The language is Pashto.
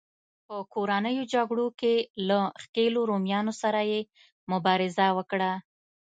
په کورنیو جګړو کې له ښکېلو رومیانو سره یې مبارزه وکړه